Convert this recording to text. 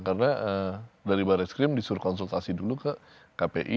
karena dari baris krim disuruh konsultasi dulu ke kpi